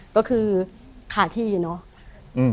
ก็คือขาดที่เนาะ